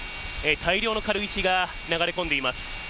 大量の軽石が流れ込んでいます。